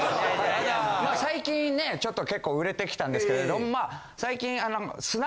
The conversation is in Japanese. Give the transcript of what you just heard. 最近ねちょっと結構売れてきたんですけどまあ最近。